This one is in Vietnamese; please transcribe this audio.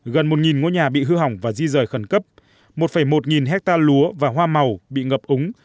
gần một ngôi nhà bị hư hỏng và di rời khẩn cấp một một nghìn hectare lúa và hoa màu bị ngập úng